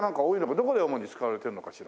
どこで主に使われてるのかしら？